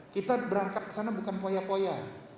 kita berangkat kesana bukan poya poya